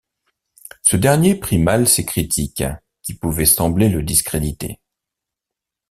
Ce dernier pris mal ces critiques qui pouvaient sembler le discréditer.